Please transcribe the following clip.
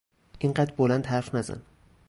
اینقدر بلند حرف نزن!